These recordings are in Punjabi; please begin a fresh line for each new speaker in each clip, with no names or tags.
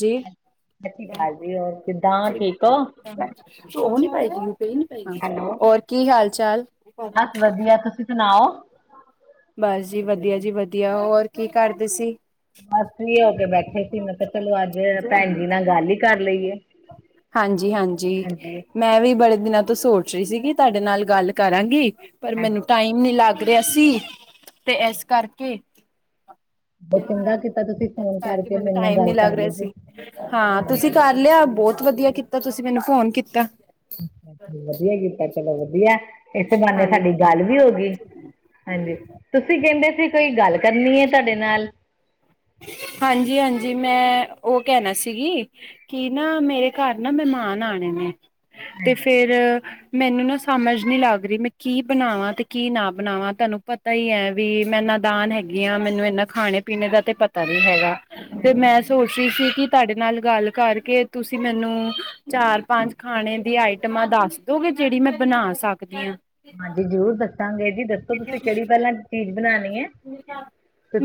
ਜੀ [unintelligible]
ਸਤਿ ਸ਼੍ਰੀ ਅਕਾਲ ਜੀ ਹੋਰ ਕਿੱਦਾਂ ਠੀਕ ਹੋ?
[unintelligible] ਹੋਰ ਕੀ ਹਾਲ ਚਾਲ?
ਵਦੀਆ ਤੁਸੀ ਸੁਨਾਓ
ਬਸ ਜੀ ਵਧੀਆ ਜੀ, ਵਧੀਆ। ਹੋਰ ਕੀ ਕਰਦੇ ਸੀ?
ਬਸ ਫ੍ਰੀ ਹੋਕੇ ਬੈਠੇ ਸੀ, ਮੈ ਕਿਆ ਚਲੋ ਅੱਜ, ਭੈਨਜੀ ਨਾਲ ਗੱਲ ਈ ਕਰ ਲਈਏ।
ਹਾਂਜੀ ਹਾਂਜੀ ਮੈਂਵੀ ਬੜੇ ਦਿਨਾਂ ਤੋਂ ਸੋਚ ਰੀ ਸੀਗੀ ਤੂਆਡੇ ਨਾਲ ਗਾਲ ਕਰਾਂਗੀ ਪਰ ਮੈਨੂ
ਹਾਂਜੀ।
ਟਾਈਮ ਨੀ ਲਾਗ ਰੇਆ ਸੀ ਤੇ ਐਸ ਕਰਕੇ [unintelligible]
ਬਹੁਤ ਚੰਗਾ ਕੀਤਾ ਤੁਸੀਂ ਫੋਨ
ਕਰਕੇ ਮੈਨੂ
ਮੇਰੇ ਨਾਲ
ਟਾਈਮ ਨੀ
ਗੱਲ
ਲਗ
ਕਰ
ਰੇਆ
ਲਈ ਜੇ।
ਸੀ ਹਾਂ ਤੂਸੀ
ਹਾਂਜੀ।
ਕਰ ਲੇਆ ਬੋਤ ਵਦੀਆ ਕੀਤਾ ਤੂਸੀ ਮੈਨੂ ਫੋਨ ਕੀਤਾ
ਵਧੀਆ ਕੀਤਾ ਚਲੋ ਵਧੀਆ ਇਸੇ ਬਹਾਨੇ ਸਾਡੀ
ਹਾਂਜੀ
ਗੱਲ ਵੀ ਹੋਗੀ ਹਾਂਜੀ ਤੁਸੀਂ ਕਹਿੰਦੇ ਸੀ ਕੋਈ ਗੱਲ ਕਰਨੀ ਐ ਤੁਹਾਡੇ ਨਾਲ
ਹਾਂਜੀ ਹਾਂਜੀ ਮੈਂ ਉਹ ਕਹਿਨਾ ਸੀਗੀ ਕੀ ਨਾ ਮੇਰੇ ਘਰ ਨਾ ਮਹਿਮਾਨ ਆਣੇ ਨੇ ਤੇ
ਹਾਂਜੀ
ਫੇਰ [unintelligible] ਮੈਨੂੰ ਨਾ ਸਮਝ ਨੀ ਲੱਗ ਰਹੀ ਮੈਂ ਕੀ ਬਣਾਵਾਂ ਤੇ ਕੀ ਨਾ ਬਣਾਵਾਂ ਤੁਹਾਨੂੰ ਪਤਾ ਹੀ ਹੈ ਵੀ ਮੈਂ ਨਾਦਾਨ ਹੈਗੀ ਆਾਂ ਮੈਨੂੰ ਇਨਾ ਖਾਣੇ ਪੀਣੇ ਦਾ ਤੇ ਪਤਾ ਤਾ ਨੀ ਹੈਗਾ ਤੇ
ਹਾਂਜੀ
ਮੈਂ
ਹਾਂਜੀ।
ਸੋਚ ਰਹੀ ਸੀ ਕੀ ਤੁਹਾਡੇ ਨਾਲ ਗੱਲ ਕਰਕੇ ਤੁਸੀਂ ਮੈਨੂੰ ਚਾਰ ਪੰਜ ਖਾਣੇ ਦੀ ਆਈਟਮਾਂ ਦੱਸ ਦੋਗੇ ਜਿਹੜੀ ਮੈਂ ਬਣਾ ਸਕਦੀ ਆਂ
ਹਾਂਜੀ ਜ਼ਰੂਰ ਦੱਸਾਂਗੇ ਜੀ ਦੱਸੋ ਤੁਸੀਂ ਕਿਹੜੀ ਪਹਿਲਾਂ ਚੀਜ਼ ਬਣਾਣੀ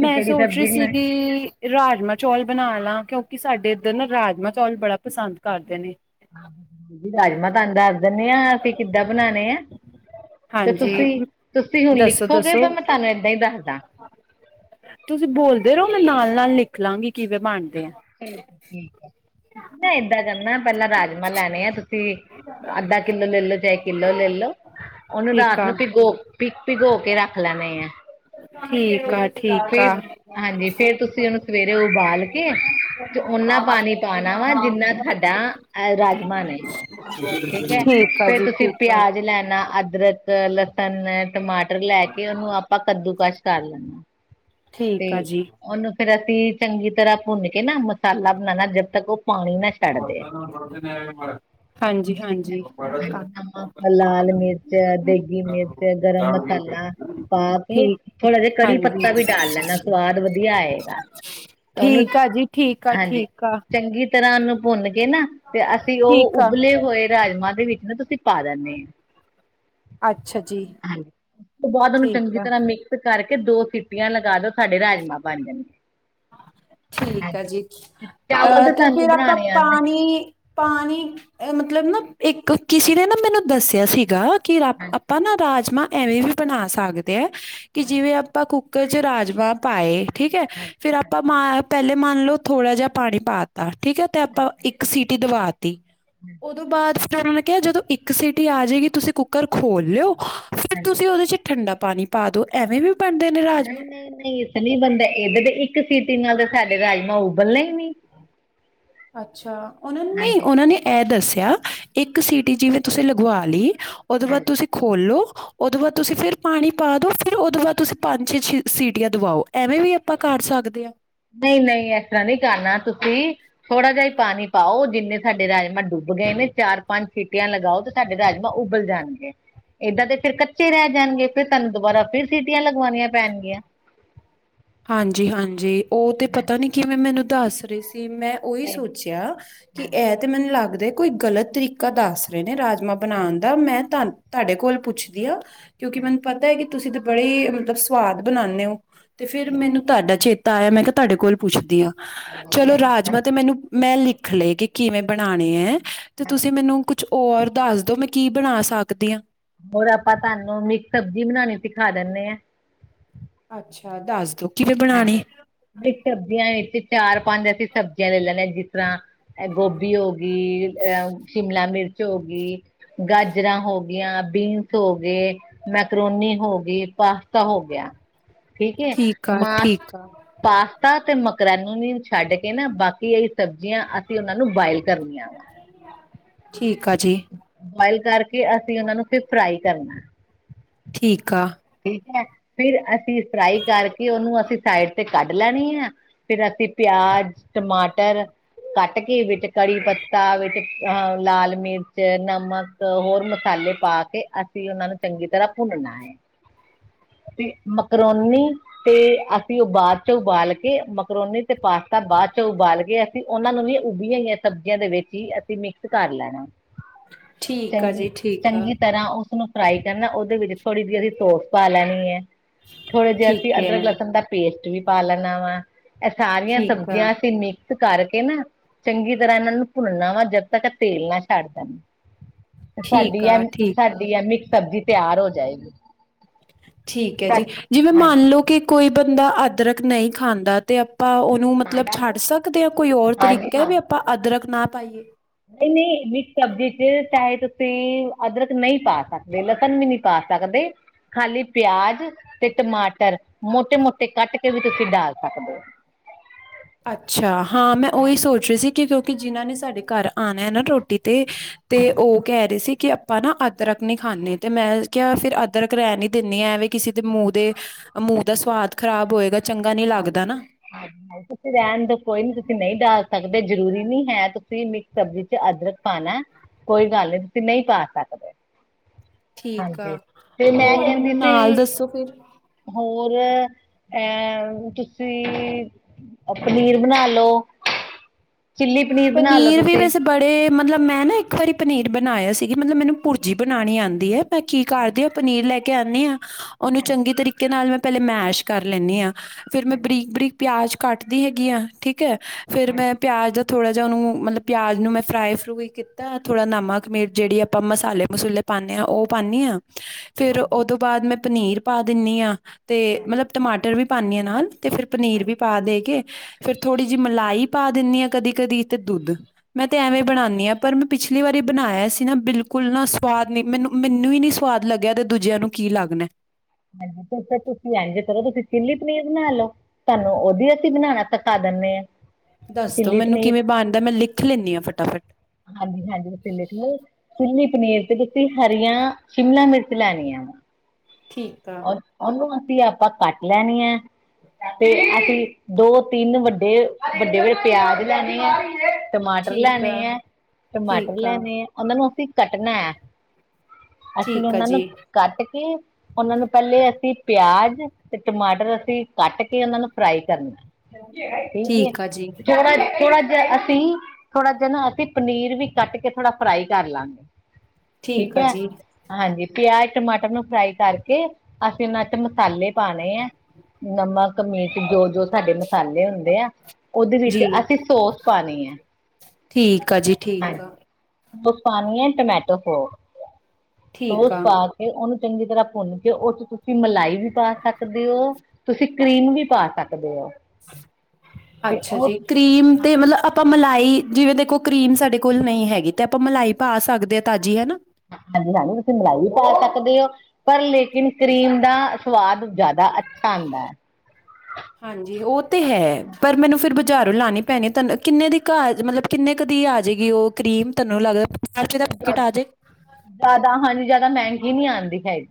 ਮੈਂ ਸੋਚ ਰੀ
ਬਣਾ
ਸੀਗੀ ਰਾਜਮਾਂ ਚੌਲ ਬਣਾ ਲਾ ਕਿਉਂਕਿ ਸਾਡੇ ਇੱਧਰ ਨਾ ਰਾਜਮਾਂ ਚੌਲ ਬੜਾ ਪਸੰਦ ਕਰਦੇ ਨੇ
ਰਾਜਮਾਂ ਤੁਹਾਨੂੰ ਦੱਸ ਦਿੰਨੇ ਆ ਅਸੀਂ ਕਿੱਦਾਂ ਬਣਾਣੇ ਆ ਤੇ
ਹਾਂਜੀ
ਤੁਸੀਂ ਤੁਸੀਂ ਹੁਣ
ਦੱਸੋ
ਲਿਖੋਗੇ
ਦੱਸੋ
ਤਾਂ ਮੈਂ ਤੁਹਾਨੂੰ ਏਦਾਂ ਹੀ ਦੱਸਦਾ
ਤੁਸੀਂ ਬੋਲਦੇ ਰਹੋ ਮੈਂ ਨਾਲ ਨਾਲ ਲਿਖ ਲਾਂਗੀ ਕਿਵੇਂ ਬਣਦੇ ਆ
ਠੀਕ ਠੀਕ ਹੈ ਮੈਂ [unintelligible] ਏਦਾਂ ਕਰਨਾ ਪਹਿਲਾਂ ਰਾਜਮਾਂ ਲੈਣੇ ਆ ਤੁਸੀਂ ਅੱਧਾ ਕਿੱਲੋ ਲੈਲੋ ਚਾਹੇ ਕਿੱਲੋ ਲੈਲੋ ਉਹਨੂੰ
ਠੀਕ
ਰਾਤ
ਆ
ਨੂੰ ਭਿਗੋ ਪਿਕ ਭਿਗੋ ਕੇ ਰੱਖ ਲੈਨੇ ਐ
ਕ ਆ ਠੀਕ ਆ
ਹਾਂਜੀ ਫੇਰ ਤੁਸੀਂ ਉਹਨੂੰ ਸਵੇਰੇ ਉਬਾਲ ਕੇ ਤੇ ਓਨਾ ਪਾਣੀ ਪਾਣਾ ਵਾ ਜਿੰਨਾ ਥਾਡਾ ਅਹ ਰਾਜਮਾਂ ਨੇ ਠੀਕ ਹੈ
ਆ
ਫੇਰ
ਜੀ
ਤੁਸੀਂ
ਠੀਕ ਆ
ਪਿਆਜ ਲੈਨਾ ਅਦਰਕ ਕ ਲਸਣ ਟਮਾਟਰ ਲੈ ਕੇ ਉਹਨੂੰ ਆਪਾਂ ਕੱਦੂ ਕਸ਼ ਕਰ ਲ ਤੇ
ਠੀਕ ਆ ਜੀ
ਉਹਨੂੰ ਫੇਰ ਅਸੀਂ ਚੰਗੀ ਤਰ੍ਹਾਂ ਭੁੰਨ ਕੇ ਨਾ ਮਸਾਲਾ ਬਨਾਨਾ ਜਬ ਤੱਕ ਉਹ ਪਾਣੀ ਨਾ ਛੱਡਦੇ
[unintelligible]
ਹਾਂਜੀ [unintelligible] ਨਮਕ ਲਾਲ ਮਿਰਚ ਦੇਗੀ ਮਿਰਚ ਗਰਮ ਮਸਾਲਾ ਪਾ ਕੇ
ਠੀਕ
ਥੋੜ੍ਹਾ ਜਿਹਾ ਕੜੀ
ਹਾਂਜੀ
ਪੱਤਾ ਵੀ ਡਾਲ ਲੈਨਾ ਸਵਾਦ ਵਧੀਆ ਆਏਗਾ [unintelligible] ਉਹਨੂੰ
ਠੀਕ ਆ ਜੀ ਠੀਕ ਆ
ਹਾਂਜੀ
ਠੀਕ ਆ
ਚੰਗੀ ਤਰ੍ਹਾਂ ਨੂੰ ਭੁੰਨ ਕੇ ਨਾ ਤੇ ਅਸੀਂ ਉਹ
ਠੀਕ ਆ
ਉਬਲੇ ਹੋਏ ਰਾਜਮਾਂ ਦੇ ਵਿੱਚ ਨਾ ਤੁਸੀਂ ਪਾ ਦਿੰਨੇ ਆ
ਅੱਛਾ ਜੀ
ਹਾਂ ਬਾਦ ਉਹਨੂੰ
ਠੀਕ
ਚੰਗੀ
ਆ
ਤਰ੍ਹਾਂ ਮਿ ਕਸ ਕਰਕੇ ਦੋ ਸਿੱਟੀਆਂ ਲਗਾ ਦੋ ਸਾਡੇ ਰਾਜਮਾਂ ਬਣ
ਠੀਕ ਆ ਜੀ
ਚਾਵਲ
ਅਹ
ਤਾਂ
ਤੇ
ਤੁਹਾਨੂੰ
ਫਿਰ ਆਪਾਂ
ਬਣਾਣੇ ਆਂਦੇ
ਪਾਨੀ ਪਾਨੀ ਮਤਲਬ ਨਾ ਇੱਕ ਕਿਸੇ ਨੇ ਨਾ ਮੈਨੂੰ ਦੱਸਿਆ ਸੀਗਾ ਕਿ ਰਾ ਆਪਾਂ ਨਾ ਰਾਜਮਾਂ ਐਵੇਂ ਵੀ ਬਣਾ ਸਕਦੇ ਆ ਕਿ ਜਿਵੇਂ ਆਪਾਂ ਕੁ ਕ ਚ ਰਾਜਮਾਂ ਪਾਏ ਠੀਕ ਹੈ ਫੇਰ ਆਪਾਂ ਪਾ ਹਾਂ ਪਹਿਲੇ ਮੰਨ ਲਓ ਥੋੜਾ ਜਿਹਾ ਪਾਣੀ ਪਾ ਤਾ ਠੀਕ ਹੈ ਤੇ ਆਪਾਂ ਇੱਕ ਸੀਟੀ ਦਵਾ ਤੀ ਉਦੋ ਬਾਅਦ ਫਿਰ ਉਹਨਾਂ ਨੇ ਕਿਹਾ ਜਦੋਂ ਇੱਕ ਸੀਟੀ ਆ ਜਾਏਗੀ ਤੁਸੀਂ ਕੁੱਕਰ ਖੋਲ ਲਿਓ ਫਿਰ
ਹਾਂਜੀ
ਤੁਸੀਂ ਉਹਦੇ 'ਚ ਠੰਡਾ ਪਾਣੀ ਪਾ ਦਿਉ ਐਵੇਂ ਵੀ ਹੁ
ਨਹੀਂ ਨਹੀਂ ਨਹੀਂ ਇਸ ਨ ਬੰਦਾ ਇਦੇ ਦੇ [unintelligible] ਇੱਕ ਸੀਟੀ ਨਾਲ ਤੇ ਸਾਡੇ ਰਾਜਮਾਂ ਉਬਲਨੇ ਹੀ ਨਹੀਂ
ਅੱਛਾ ਉਹਨਾਂ ਨਹੀਂ
ਹਾਂਜੀ
ਉਹਨਾਂ ਨੇ ਇਹ ਦੱਸਿਆ ਇੱਕ ਸੀਟੀ ਜਿਵੇਂ ਤੁਸੀਂ ਲਗਵਾ ਲਈ ਉਹਦੋਂ ਬਾਅਦ
ਹਾਂਜੀ
ਤੁਸੀਂ ਖੋਲ ਲੋ ਉਦੋਂ ਬਾਅਦ ਤੁਸੀਂ ਫਿਰ ਪਾਣੀ ਪਾ ਦੋ, ਫਿਰ ਉਦੋਂ ਬਾਅਦ ਤੁਸੀਂ ਪੰਜ ਛ ਸੀਟੀਆਂ ਦਵਾਓ, ਐਵੇਂ ਵੀ ਆਪਾਂ ਕਰ ਸਕਦੇ ਹਾਂ
ਨਹੀਂ ਨਹੀਂ ਐਦਾਂ ਨਹੀਂ ਕਰਨਾ ਤੁਸੀਂ ਥੋੜਾ ਜਿ ਹੀ ਪਾਣੀ ਪਾਓ, ਜਿੰਨੇ ਸਾਡੇ ਰਾਜਮਾਂ ਡੁੱਬ ਗਏ ਨੇ, ਚਾਰ ਪੰਜ ਸੀਟੀਆਂ ਲਗਾਓ ਸਾਡੇ ਰਾਜਮਾਂ ਉਬਲ ਜਾਣਗੇ ਇੱਦਾਂ ਦੇ ਫਿਰ ਕੱਚੇ ਰਹਿ ਜਾਣਗੇ, ਫਿਰ ਤੁਹਾਨੂੰ ਦੁਬਾਰਾ ਫਿਰ ਸੀਟੀਆਂ ਲਗਵਾਉਣੀਆਂ ਪੈਣਗੀਆਂ।
ਹਾਂਜੀ ਹਾਂਜੀ, ਉਹ ਤੇ
ਹਾਂਜੀ
ਪਤਾ ਨੀ ਕਿਵੇਂ ਮੈਨੂੰ ਦੱਸ ਰਹੀ ਸੀ, ਮੈਂ ਉਹੀ
ਨਹੀਂ, ਨਹੀਂ,
ਸੋਚਿਆ, ਕਿ
ਹਾਂਜੀ
ਇਹ ਤੇ ਮੈਨੂੰ ਲੱਗਦਾ, ਕੋਈ ਗ਼ਲਤ ਤਰੀਕਾ ਦੱਸ ਰਹੇ ਨੇ ਰਾਜਮਾ ਬਣਾਉਣ ਦਾ, ਮੈਂ ਤੁਹਾਡੇ ਕੋਲ ਪੁੱਛ। ਕਿਉਂਕਿ
ਹਾਂਜੀ
ਮੈਨੂੰ ਪਤਾ ਹੈ, ਕਿ ਤੁਸੀਂ ਤਾਂ ਬੜੇ ਮਤਲਬ ਸਵਾਦ ਬਣਾਉਂਦੇ ਹੋ। ਤੇ ਫੇਰ
ਠੀਕ ਹੈ,
ਮੈਨੂੰ ਤੁਹਾਡਾ ਚੇਤਾ ਆਇਆ, ਮੈਂ ਕਿਹਾ ਤੁਹਾਡੇ ਕੋਲ ਪੁੱਛਦੀ ਹਾਂ,
ਵਧੀਆ
ਚਲੋ
ਕੀਤਾ
ਰਾਜਮਾ ਤੇ
ਤੁਸੀਂ
ਮੈਨੂੰ ਮੈਂ ਲਿਖ ਲਏ, ਕਿ ਕਿਵੇਂ ਬਣਾਉਣੇ ਹੈ, ਤੇ ਤੁਸੀਂ
ਹਾਂਜੀ।
ਮੈਨੂੰ ਕੁਛ ਹੋਰ ਦੱਸ ਦੋ, ਮੈਂ ਕੀ ਬਣਾ ਸਕਦੀ ਹਾਂ।
ਹੋਰ ਆਪਾਂ ਤੁਹਾਨੂੰ, ਮਿਕਸ ਸਬਜ਼ੀ ਬਣਾਉਣੀ ਸਿਖਾ ਦਿੰਦੇ ਹਾਂ।
ਅੱਛਾ ਦੱਸ ਦਿਓ। ਕਿਵੇਂ ਬਣਾਣੇ
ਮਿਕਸ ਸਬਜ਼ੀਆਂ ਵਿੱਚ, ਚਾਰ-ਪੰਜ ਅਸੀਂ ਸਬਜ਼ੀਆਂ ਲੈ ਲੈਦੇ ਹਾਂ, ਜਿਸ ਤਰ੍ਹਾਂ ਗੋਭੀ ਹੋ ਗਈ, ਅਹ ਸ਼ਿਮਲਾ ਮਿਰਚ ਹੋ ਗਈ। ਗਾਜਰਾਂ ਹੋ ਗਈਆ, ਬੀਨਸ ਹੋ ਗਏ। ਮੈਕਰੋਨੀ ਹੋ ਗਈ, ਪਾਸਤਾ ਹੋ ਗਿਆ, ਠੀਕ ਏ।
ਆ ਠੀਕ ਆ
ਪਾਸਤਾ ਤੇ ਮਕਰੋਨੀ ਨੂੰ ਨ ਛੱਡ ਕੇ ਨਾ, ਬਾਕੀ ਜਿਹੜੀ ਸਬਜ਼ੀਆਂ ਅਸੀਂ ਉਹਨਾਂ ਨੂੰ ਬੋਇਲ। [unintelligible]
ਠੀਕ ਆ ਜੀ।
ਬੋਇਲ ਕਰਕੇ, ਅਸੀਂ ਉਹਨਾ ਨੂੰ ਫਿਰ ਫਰਾਈ ਕਰਨਾ।
ਠੀਕ ਆ।
ਠੀਕ ਹੈ, ਫਿਰ ਅਸੀਂ ਫਰਾਈ ਕਰਕੇ, ਉਹਨੂੰ ਅਸੀਂ ਸਾਈਡ ਤੇ ਕੱਢ ਲੈਣੀ ਆ। ਫਿਰ ਅਸੀਂ ਪਿਆਜ, ਟਮਾਟਰ। ਕੱਟ ਕੇ, ਵਿੱਚ ਕੜੀ ਪੱਤਾ, ਵਿੱਚ ਅਹ ਲਾਲ ਮਿਰਚ, ਨਮਕ। ਅ ਹੋਰ ਮਸਾਲੇ ਪਾ ਕੇ, ਅਸੀਂ ਉਹਨਾਂ ਨੂੰ ਚੰਗੀ ਤਰ੍ਹਾਂ ਭੁੰਨਨਾ ਹੈ। ਤੇ ਮਕਰੋਨੀ। ਤੇ ਅਸੀਂ ਉਹ ਬਾਅਦ ਚ ਉਬਾਲ ਕੇ, ਮਕਰੋਨੀ ਤੇ ਪਾਸਤਾ ਬਾਅਦ ਚ ਉਬਾਲ ਕੇ। ਅਸੀਂ ਉਹਨਾ ਨੂੰ ਵੀ ਉਬਲੀਆਂ ਹੋਈਆਂ ਸਬਜ਼ੀਆਂ ਦੇ ਵਿੱਚ ਹੀ, ਅਸੀਂ ਮਿਕਸ ਕਰ ਲੈਣਾ।
ਠੀਕ ਆ ਜੀ ਠੀਕ ਆ
ਚੰਗੀ-ਚੰਗੀ ਤਰ੍ਹਾਂ ਉਸਨੂੰ ਫਰਾਈ ਕਰਨਾ, ਉਹਦੇ ਵਿੱਚ ਥੋੜ੍ਹੀ ਜਿਹੀ ਅਸੀਂ ਸੋਸ ਪਾ ਲੈਣੀ ਹੈ, ਥੋੜ੍ਹੇ ਜਿਹੇ ਅਸੀਂ
ਠੀਕ ਐ
ਅਦਰਕ ਲਸਣ ਦਾ ਪੇਸਟ ਵੀ ਪਾ ਲੈਣਾ ਵਾ। ਇਹ ਸਾਰੀਆਂ
ਠੀਕ ਆ
ਸਬਜ਼ੀਆਂ ਅਸੀਂ ਮਿਕ ਮਿਕਸ ਕਰਕੇ ਨਾ ਚੰਗੀ ਤਰ੍ਹਾਂ ਇਹਨਾਂ ਨੂੰ ਭੁੰਨਨਾ ਵਾ ਜਦ ਤੱਕ ਤੇਲ ਨਾ ਛੱਡ ਦੇਣ।
ਠੀਕ
ਸਾਡੀ ਐ
ਆ ਠੀਕ
ਸਾਡੀ ਆ, ਮਿਕਸ ਸਬਜ਼ੀ ਤਿਆਰ ਹੋ ਜਾਏਗੀ।
ਠੀਕ ਹੈ ਜੀ, ਜਿਵੇਂ ਮੰਨਲਓ ਕਿ ਕੋਈ ਬੰਦਾ ਅਦਰਕ ਨਹੀਂ ਖਾਂਦਾ, ਤੇ ਆਪਾਂ ਉਹ ਨੂੰ, ਮਤਲਬ ਛੱਡ ਸਕਦੇ ਹਾਂ, ਕੋਈ ਹੋਰ ਤਰੀਕਾ ਐ, ਵੀ ਆਪਾਂ ਅਦਰਕ ਨਾ ਪਾਈਏ।
ਇਹ ਨਹੀਂ ਮਿਕਸ ਸਬਜ਼ੀ ਚ ਚਾਹੇ ਤੁਸੀਂ ਅਦਰਕ ਨਹੀਂ ਪਾ ਸਕਦੇ, ਲਸਣ ਵੀ ਨੀ ਪਾ ਸਕਦੇ। ਖਾਲੀ ਪਿਆਜ ਤੇ ਟਮਾਟਰ, ਮੋਟੇ-ਮੋਟੇ ਕੱਟ ਕੇ ਵੀ ਤੁਸੀਂ ਡਾਲ ਸਕਦੇ ਹੋ।
ਅੱਛਾ ਹਾਂ, ਮੈਂ ਉਹੀ ਸੋਚ ਰਹੀ ਸੀ ਕਿ ਕਿਉਂਕਿ ਜਿਨਾਂ ਨੇ ਸਾਡੇ ਘਰ ਆਉਣਾ ਹੈ ਨਾ ਰੋਟੀ ਤੇ। ਤੇ ਉਹ। ਕਹਿ ਰਹੇ ਸੀ, ਕਿ ਆਪਾਂ ਨਾ ਅਦਰਕ ਨਹੀਂ ਖਾਂਦੇ ਤੇ ਮੈਂ ਕਿਹਾ ਫਿਰ ਅਦਰਕ ਰਹਿਣ ਨੀ ਦਿੰਨੀ ਆਂ, ਐਵੇਂ ਕਿਸੇ। ਤੇ ਮੂੰਹ ਦੇ, ਮੂੰਹ ਦਾ ਸਵਾਦ ਖ਼ਰਾਬ ਹੋਏਗਾ, ਚੰਗਾ ਨੀ ਲੱਗਦਾ ਨਾ।
ਹਾਂ। [unintelligible] ਤੁਸੀਂ ਰਹਿਣ ਦੋ, ਕੋਈ ਨੀ ਤੁਸੀਂ ਨਹੀਂ ਡਾਲ ਸਕਦੇ, ਜਰੂਰੀ ਨੀ ਹੈ ਤੁਸੀਂ ਮਿਕਸ ਸਬਜ਼ੀ ਚ ਅਦਰਕ ਪਾਣਾ। ਕੋਈ ਗੱਲ ਨਹੀਂ, ਤੁਸੀਂ ਨਹੀਂ ਪਾ ਸਕਦੇ।
ਠੀਕ ਆ।
ਹਾਂਜੀ, ਤੇ ਮੈਂ
ਹੋਰ
ਕਹਿੰਦੀ
ਮੈਨੂੰ
ਸੀ।
ਨਾਲ ਦੱਸੋ ਫਿਰ
ਹੋਰ ਅ। ਤੁਸੀਂ ਪਨੀਰ ਬਣਾ ਲਓ ਚਿੱਲੀ। ਬਣਾ ਲੋ
ਪਨੀਰ ਵੀ
ਤੁਸੀਂ
ਵੈਸ। ਬੜੇ ਮਤਲਬ ਮੈਂ ਨਾ ਇੱਕ ਵਾਰੀ ਪਨੀਰ ਬਣਾਇਆ ਸੀਗੀ ਮਤਲਬ ਮੈਨੂੰ ਭੁਰਜੀ ਬਣਾਉਣੀ ਆਉਂਦੀ ਹੈ। ਮੈਂ ਕੀ ਕਰਦੀ ਹਾਂ ਪਨੀਰ ਲੈ ਕੇ ਆਉਂਦੀ ਹਾਂ। ਉਹਨੂੰ ਚੰਗੀ ਤਰੀਕੇ ਨਾਲ ਮੈਂ ਪਹਿਲੇ ਮੈਸ਼ ਕਰ ਲੈਂਨੀ ਹਾਂ। ਫੇਰ ਮੈਂ ਬਰੀਕ-ਬਰੀਕ ਪਿਆਜ ਕੱਟਦੀ ਹੈਗੀ ਆ ਠੀਕ ਹੈ ਫੇਰ ਮੈਂ ਪਿਆਜ ਦਾ। ਥੋੜ੍ਹਾ ਜਿਹਾ ਉਹਨੂੰ ਮਤਲਬ ਪਿਆਜ਼ ਨੂੰ ਮੈਂ ਫਰਾਈ ਫਰੂਈ ਕੀਤਾ। ਥੋੜ੍ਹਾ ਨਮਕ, ਮਿਰਚ ਜਿਹੜੀ ਆਪਾਂ ਮਸਾਲੇ- ਮਸੂਲੇ ਪਾਉਦੇ ਹਾਂ, ਉਹ ਪਾਉਂਦੀ ਹਾਂ। ਫਿਰ ਉਹ ਤੋਂ ਬਾਅਦ ਮੈਂ ਪਨੀਰ ਪਾ ਦਿੰਦੀ ਹਾਂ ਤੇ ਮਤਲਬ ਟਮਾਟਰ ਵੀ ਪਾਉਂਦੀ ਹਾਂ ਨਾਲ। ਤੇ ਫਿਰ ਪਨੀਰ ਵੀ ਪਾ ਦੇ ਕੇ ਫੇਰ ਥੋੜ੍ਹੀ ਜੀ ਮਲਾਈ ਪਾ ਦਿੰਨੀ ਆ। ਕਦੀ-ਕਦੀ ਤੇ ਦੁੱਧ ਮੈਂ ਤੇ ਐਵੇਂ ਬਣਾਨੀ ਆ। ਪਰ ਮੈਂ ਪਿਛਲੀ ਵਾਰੀ ਬਣਾਇਆ ਸੀ ਨਾ ਬਿਲਕੁੱਲ ਨਾ ਸਵਾਦ ਨੀ ਮੈਨੂੰ ਮੈਨੂੰ ਈ ਨੀ ਸਵਾਦ ਲੱਗਿਆ ਤੇ ਦੂਜਿਆਂ ਨੂੰ ਕੀ ਲੱਗਨੈ।
ਹਾਂਜੀ। ਤੇ ਤੁਸੀਂ ਐਂਜ ਕਰੋ ਤੁਸੀਂ ਚਿੱਲੀ ਪਨੀਰ ਬਣਾ ਲੋ। ਤਾਂਨੂੰ ਓਦੀ ਅਸੀਂ ਬਣਾਣਾ ਸਖਾ ਦਨੇ ਆਂ।
ਦੱਸ ਦੋ ਮੈਨੂੰ ਕਿਵੇਂ ਬਣਦਾ ਮੈਂ ਲਿਖ ਲੈਂਨੀ ਆਂ ਫਟਾਫਟ।
ਹਾਂਜੀ-ਹਾਂਜੀ ਤੁਸੀ ਲਿਖ ਲੋ। ਚੀਲੀ ਪਨੀਰ ਤੇ ਤੁਸੀ ਹਰੀਆ ਸ਼ਿਮਲਾ ਮਿਰਚ ਲੈਣੀਐ।
ਠੀਕ ਆ
ਓਰ ਓਨੂੰ ਅਸੀਂ ਆਪਾਂ ਕੱਟ ਲੈਣੀ ਐ। ਤੇ ਅਸੀਂ ਦੋ, ਤਿੰਨ ਵੱਡੇ-ਵੱਡੇ ਹੋਏ ਪਿਆਜ ਲੈਣੇ ਐ। ਟਮਾਟਰ
ਠੀਕ
ਲੈਣੇ
ਆ
ਐ। ਟਮਾਟਰ
ਠੀਕ ਆ
ਲੈਣੇ ਐ ਓਨਾਂ ਨੂੰ ਅਸੀਂ ਕਟਨੈ। ਅਸੀਂ
ਠੀਕ ਆ
ਓਨਾਂ ਨੂੰ
ਜੀ
ਕੱਟ ਕੇ ਓਨਾਂ ਨੂੰ ਪੈਲੇ ਅਸੀਂ ਪਿਆਜ ਤੇ ਟਮਾਟਰ ਅਸੀਂ ਕੱਟ ਕੇ ਓਨਾਂ ਨੂੰ ਫਰਾਈ ਕਰਨਾ। ਠੀਕ ਏ।
ਆ ਜੀ
ਥੋੜਾ-ਥੋੜਾ ਜਾ ਅਸੀਂ ਥੋੜਾ ਜਾ ਨਾ ਅਸੀਂ ਪਨੀਰ ਵੀ ਕੱਟ ਕੇ ਥੋੜਾ ਫਰਾਈ ਕਰ ਲਾਂਗੇ। ਠੀਕ
ਆ
ਐ।
ਜੀ
ਹਾਂਜੀ। ਪਿਆਜ ਟਮਾਟਰ ਨੂੰ ਫਰਾਈ ਕਰਕੇ ਅਸੀਂ ਓਨਾਂ ਚ' ਮਸਾਲੇ ਪਾਣੇ ਐ। ਨਮਕ, ਮਿਰਚ ਜੋ-ਜੋ ਸਾਡੇ ਮਸਾਲੇ ਹੁੰਦੇ ਐ। ਓਦੇ ਵਿੱਚ
ਜੀ
ਅਸੀਂ ਸੋਸ ਪਾਣੀ ਐ।
ਠੀਕ ਆ ਜੀ, ਠੀਕ ਆ।
ਹੁਣ ਪਾਣੀ ਐ ਟਮੈਟੋ ਸੋ।
ਠੀਕ
ਉਹ
ਆ
ਪਾ ਕੇ ਓਨੂੰ ਚੰਗੀ ਤਰ੍ਹਾਂ ਭੁੰਨ ਕੇ ਓ ਚ' ਤੁਸੀਂ ਮਲਾਈ ਵੀ ਪਾ ਸਕਦੇ ਓ ਤੁਸੀਂ। ਸਕੀਮ ਵੀ ਪਾ ਸਕਦੇ ਓ।
ਅੱਛਾ ਜੀ। ਕਰੀਮ ਤੇ ਮਤਲਬ ਆਪਾਂ ਮਲਾਈ ਜਿਵੇਂ ਦੇਖੋ ਕਰੀਮ ਸਾਡੇ ਕੋਲ ਨਈ ਹੈਗੀ ਤੇ ਆਪਾਂ ਮਲਾਈ ਪਾ ਸਕਦੇ ਆ ਤਾਜ਼ੀ ਹਨਾ।
ਹਾਂਜੀ- ਹਾਂਜੀ ਤੁਸੀਂ ਮਲਾਈ ਵੀ ਪਾ ਸਕਦੇ ਓ। ਪਰ ਲੇਕਿਨ ਕਰੀਮ ਦਾ ਸਵਾਦ ਜਾਦਾ ਅੱਛਾ ਆਂਦੈ।
ਹਾਂਜੀ ਓ ਤੇ ਹੈ। ਪਰ ਮੈਨੂੰ ਫਿਰ ਬਾਜ਼ਾਰੋਂ ਲਾਣੀ ਪੈਣੀ ਤਨੂੰ ਕਿੰਨੇ ਦੀ ਘਾ ਮਤਲਬ ਕਿੰਨੇ ਕ ਦੀ ਆਜੇਗੀ ਓ ਕਰੀਮ ਤਨੂੰ ਲੱਗਦਾ ਪੰਜਾਹ ਰੁਪਏ ਦਾ ਪੈਕੇਟ ਆ [unintelligible]
ਜਾਦਾ। ਹਾਂਜੀ ਜਾਦਾ ਮੈਂਗੀ ਨੀ ਆਂਦੀ ਹੈਗੀ।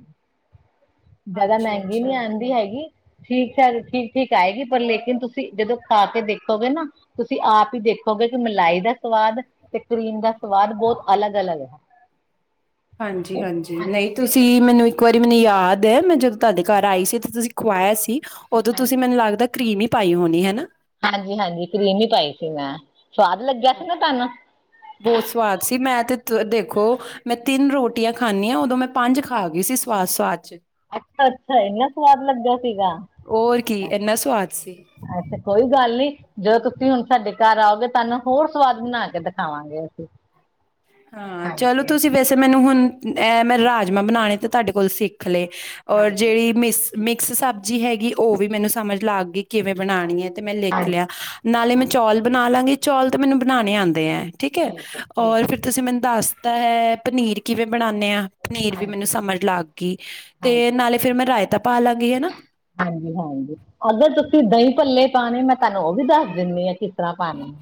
ਜਾਦਾ
ਅੱਛਾ
ਮੈਂਗੀ ਨੀ
ਅੱਛਾ
ਆਂਦੀ ਹੈਗੀ। ਠੀਕ - ਠੀਕ-ਠੀਕ ਆਏਗੀ। ਪਰ ਲੇਕਿਨ ਤੁਸੀਂ ਜਦੋਂ ਖਾ ਕੇ ਦੇਖੋਗੇ ਨਾ ਤੁਸੀਂ ਆਪ ਈ ਦੇਖੋਗੇ ਕੀ ਮਲਾਈ ਦਾ ਸਵਾਦ। ਤੇ ਕਰੀਮ ਦਾ ਸਵਾਦ ਬੋ ਅਲੱਗ-ਅਲੱਗ।
ਹਾਂਜੀ-ਹਾਂਜੀ ਨਈ ਤੁਸੀਂ ਮੈਨੂੰ ਇੱਕ ਵਾਰੀ ਮੈਨੂੰ ਯਾਦ ਐ ਮੈਂ ਜਦੋਂ ਤੁਹਾਡੇ ਘਰ ਆਈ ਸੀ ਤੇ ਤੁਸੀਂ ਖਵਾਇਆ ਸੀ ਓਦੋਂ ਤੁਸੀਂ ਮੈਨੂੰ ਲੱਗਦਾ ਕਰੀਮ ਈ ਪਾਈ ਹੋਣੀ ਹੈਨਾ।
ਹਾਂਜੀ-ਹਾਂਜੀ ਕਰੀਮ ਈ ਪਾਈ ਸੀ ਮੈਂ ਸਵਾਦ ਲੱਗਿਆ ਸੀ ਨਾ ਤੁਹਾਨੂੰ।
ਬੋਤ ਸਵਾਦ ਸੀ। ਮੈਂ ਤੇ ਤ ਦੇਖੋ ਮੈਂ ਤਿੰਨ ਰੋਟੀਆਂ ਖਾਂਦੀ ਆ ਓਦੋਂ ਮੈਂ ਪੰਜ ਖਾਗੀ ਸੀ ਸਵਾਦ-ਸਵਾਦ ਚ।
ਅੱਛਾ-ਅੱਛਾ ਇੰਨਾ ਸਵਾਦ ਲੱਗਿਆ ਸੀਗਾ।
ਹੋਰ ਕੀ ਇੰਨਾ ਸਵਾਦ ਸੀ
ਹਾਂ ਤੇ ਕੋਈ ਗੱਲ ਨੀ। ਜਦੋਂ ਤੁਸੀਂ ਹੁਣ ਸਾਡੇ ਘਰ ਆਓਗੇ ਤੁਹਾਨੂੰ ਹੋਰ ਸਵਾਦ ਬਣਾ ਕੇ ਦਿਖਾਵਾਂਗੇ ਅਸੀਂ।
ਹਾਂ, ਚਲੋ ਤੁਸੀਂ ਵੈਸੇ ਮੈਨੂੰ ਹੁਣ ਐ ਮੈਂ ਰਾਜਮਾਂ ਬਣਾਣੇ ਤੇ ਤੁਹਾਡੇ ਕੋਲ ਸਿਖਲੇ। ਔਰ ਜਿਹੜੀ ਮਿਸ ਮਿਕਸ ਸਬਜ਼ੀ ਹੈਗੀ ਓ ਵੀ ਮੈਨੂੰ ਸਮਝ ਲੱਗਗੀ। ਕਿਵੇਂ ਬਣਾਣੀ ਐ ਤੇ ਮੈਂ ਲਿਖ ਲਿਆ ਨਾਲੇ ਮੈਂ ਚੌਲ ਬਣਾ ਲਾਂਗੀ ਚੌਲ ਤੇ ਮੈਨੂੰ ਬਣਾਣੇ ਆਂਦੇ ਐ। ਠੀਕ ਐ ਔਰ ਫਿਰ ਤੁਸੀਂ ਮੈਨੂੰ ਦੱਸਤਾ ਹੈ ਪਨੀਰ ਕਿਵੇਂ ਬਨਾਣੇ ਆ। ਪਨੀਰ ਵੀ ਮੈਨੂੰ ਸਮਝ ਲੱਗਗੀ ਤੇ ਨਾਲੇ ਫੇਰ ਮੈਂ ਰਾਇਤਾ ਪਾ ਲਾਂਗੀ ਹਨਾ।
ਹਾਂਜੀ-ਹਾਂਜੀ ਅਗਰ ਤੁਸੀ ਦਹੀਂ ਭੱਲੇ ਪਾਨੇ, ਮੈਂ ਤਹਾਨੂੰ ਉਹ ਵੀ ਦੱਸ ਦੇਂਨੀ ਆ, ਕਿਸ ਤਰਾ ਪਾਨੇ।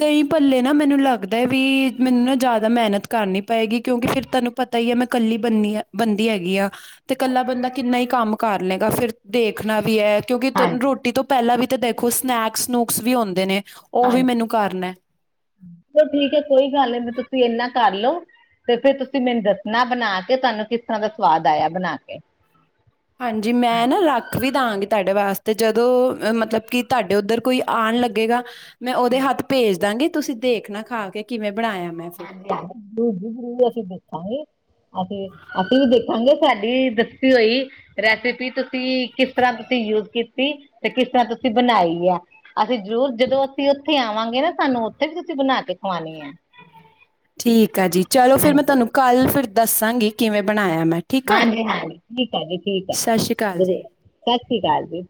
ਦਹੀਂ ਭੱਲੇ ਨਾ ਮੈਨੂੰ ਲੱਗਦੈ ਵੀ, ਮੈਨੂੰ ਨਾ ਜਿਆਦਾ ਮਿਹਨਤ ਕਰਨੀ ਪਏਗੀ ਕਿਉਕਿ ਫੇਰ ਤੁਹਾਨੂੰ ਪਤਾ ਈ ਆ ਮੈਂ ਕੱਲੀ ਬਨੀ ਬੰਦੀ ਹੈਗੀ ਆਂ। ਤੇ ਕੱਲਾ ਬੰਦਾ ਕਿੰਨਾ ਈ ਕੰਮ ਕਾਰ ਲੇਗਾ, ਫੇਰ ਦੇਖਨਾ ਵੀ ਐ। ਕਿਉਕਿ ਰੋਟੀ ਤੋ ਪੈਲਾ ਵੀ ਤੇ ਦੇਖੋ ਸਨੈਕਸ-ਸਨੂਕਸ ਵੀ ਹੋਂਦੇ ਨੇ। ਉਹ ਵੀ
ਹਾਂਜੀ,
ਮੈਨੂੰ ਕਰਨਾ ਹੈ
ਚਲੋ ਠੀਕ ਏ ਕੋਈ ਗੱਲ ਨੀ ਤੇ ਤੁਸੀ ਏਨਾ ਕਰ ਲੋ। ਫੇਰ ਤੇ ਤੁਸੀ ਮੈਨੂੰ ਦੱਸਨਾ ਬਨਾਕੇ ਤੁਹਾਨੂੰ ਕਿਸ ਤਰਾ ਦਾ ਸਵਾਦ ਆਇਆ ਬਨਾਕੇ।
ਹਾਂਜੀ ਮੈਂ ਨਾ ਰੱਖ ਵੀ ਦਾਂਗੀ ਤਾਡੇ ਵਾਸਤੇ ਜਦੋ ਮਤਲਬ ਕਿ ਤਾਡੇ ਓੱਧਰ ਕੋਈ ਆਨ ਲੱਗੇਗਾ, ਮੈਂ ਓਦੇ ਹੱਥ ਭੇਜ ਦਾਂਗੀ ਤੁਸੀ ਦੇਖਨਾ ਖਾ ਕੇ ਕਿਵੇਂ ਬਣਾਇਆ ਮੈਂ। ਫਿਰ
[unintelligible] ਅਸੀ ਦਸਾਂਗੇ। ਅਸੀ, ਅਸੀ ਵੀ ਦੇਖਾਂਗੇ ਸਾਡੀ ਦੱਸੀ ਹੋਈ ਰੈਸਿਪੀ ਤੁਸੀ ਕਿਸ ਤਰਾ ਤੁਸੀ ਯੂਜ ਕੀਤੀ, ਤੇ ਕਿਸ ਤਰਾ ਤੁਸੀ ਬਨਾਈ ਐ। ਅਸੀ ਜ਼ਰੂਰ ਜਦੋ ਅਸੀ ਓੱਥੇ ਆਵਾਂਗੇ ਨਾ ਸਾਨੂੰ ਓੱਥੇ ਵੀ ਤੁਸੀ ਬਨਾਕੇ ਖਵਾਨੀ ਐ।
ਠੀਕ ਐ ਜੀ ਚਲੋ ਫੇਰ ਮੈਂ ਤਾਨੂੰ ਕੱਲ ਫੇਰ ਦੱਸਾਂਗੀ ਕਿਵੇਂ ਬਣਾਇਆ ਮੈਂ ਠੀਕ ਆ।
[unintelligible] ਠੀਕ ਐ ਜੀ ਠੀਕ ਐ
ਸਤਿ ਸ਼੍ਰੀ ਅਕਾਲ ਜੀ।
ਸਤਿ ਸ੍ਰੀ ਕਾਲ ਜੀ।